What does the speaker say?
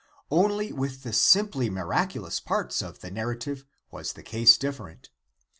Only with the simply miraculous parts of the narrative was the case different.